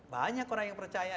banyak orang yang percaya